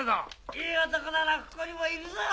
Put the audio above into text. いい男ならここにもいるぞ！